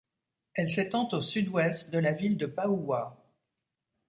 Elle s’étend au sud-ouest de la ville de Paoua.